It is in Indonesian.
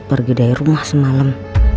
pergi dari rumah semalam